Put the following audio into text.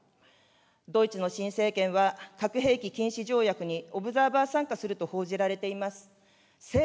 ドイツの新政権が、核兵器禁止条約にオブザーバー参加すると報じられています。